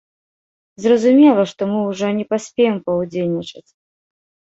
Зразумела, што мы ўжо не паспеем паўдзельнічаць.